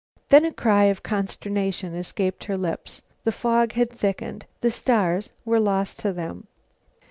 Then a cry of consternation escaped her lips; the fog had thickened; the stars were lost to them.